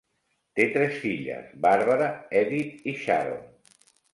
Té tres filles: Barbara, Edith i Sharon.